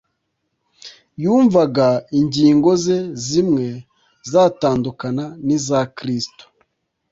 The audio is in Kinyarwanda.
yumvaga ingingo ze zimwe zatandukana n’iza kristo,